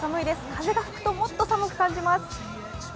風が吹くともっと寒く感じます。